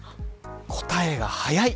答えが早い。